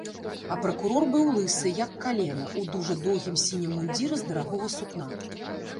А пракурор быў лысы, як калена, у дужа доўгім сінім мундзіры з дарагога сукна.